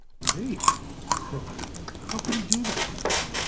"But, Abe," he croaked, "how could he do that?